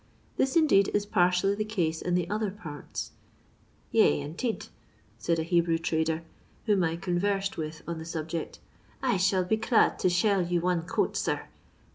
This indeed, is partially the case in the other parts. "Tesh, inteet," said a Hebrew trader, whom I conversed with on the subject, " I shall bo dad to shell you one coat, sir.